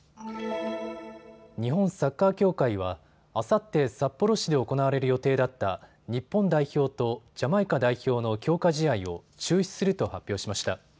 日本サッカー協会はあさって札幌市で行われる予定だった日本代表とジャマイカ代表の強化試合を中止すると発表しました。